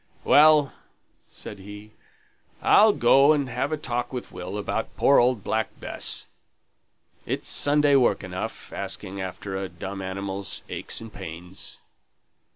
"Well," said he, "I'll go and have a talk with Will about poor old Black Bess. It's Sunday work enough, asking after a dumb animal's aches and pains."